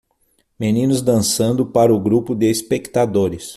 Meninos dançando para o grupo de espectadores.